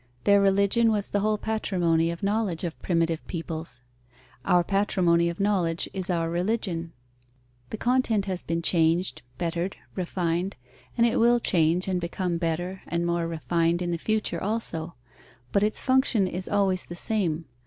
Their religion was the whole patrimony of knowledge of primitive peoples: our patrimony of knowledge is our religion. The content has been changed, bettered, refined, and it will change and become better and more refined in the future also; but its function is always the same.